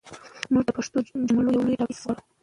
موږ د پښتو جملو یو لوی ډیټابیس غواړو.